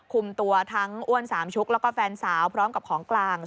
คุมตัวทั้งอ้วนสามชุกแล้วก็แฟนสาวพร้อมกับของกลาง